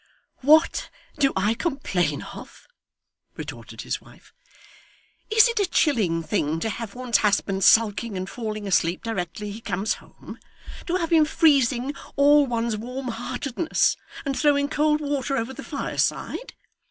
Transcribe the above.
'What do I complain of!' retorted his wife. 'Is it a chilling thing to have one's husband sulking and falling asleep directly he comes home to have him freezing all one's warm heartedness, and throwing cold water over the fireside?